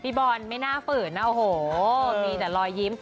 พี่บอลไม่น่าฝืนน่ะโหมีแต่รอยยิ้ม